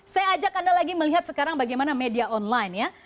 saya ajak anda lagi melihat sekarang bagaimana media online ya